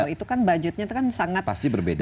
itu kan budgetnya kan sangat pasti berbeda